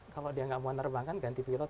kalau dia nggak mau nerbangkan ganti pilot